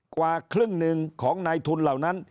กว่าครึ่งหนึ่งของนายทุนเหล่านั้น